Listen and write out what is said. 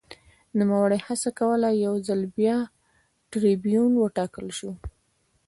نوموړي هڅه کوله یو ځل بیا ټربیون وټاکل شي